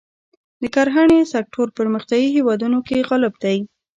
د کرهڼې سکتور پرمختیايي هېوادونو کې غالب دی.